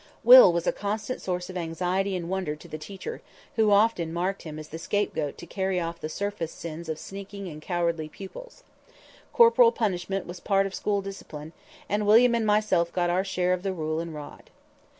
Will was a constant source of anxiety and wonder to the teacher, who often marked him as the scapegoat to carry off the surface sins of sneaking and cowardly pupils. Corporal punishment was part of school discipline, and William and myself got our share of the rule and rod.